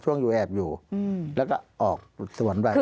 อยู่แอบอยู่แล้วก็ออกสวนไป